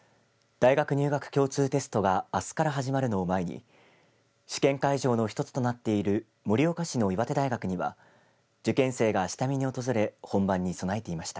大学入学共通テストがあすから始まるのを前に試験会場の１つとなっている盛岡市の岩手大学には受験生が下見に訪れ本番に備えていました。